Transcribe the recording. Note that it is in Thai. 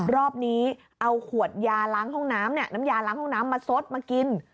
รอบนี้เอาขวดยาล้างห้องน้ำน้ำยาล้างห้องน้ำมาซดมากิน